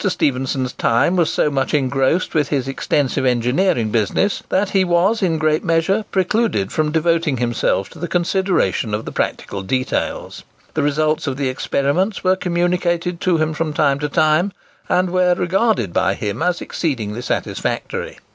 Stephenson's time was so much engrossed with his extensive engineering business that he was in a great measure precluded from devoting himself to the consideration of the practical details. The results of the experiments were communicated to him from time to time, and were regarded by him as exceedingly satisfactory.